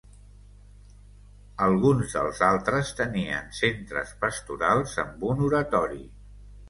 Alguns dels altres tenien centres pastorals amb un oratori.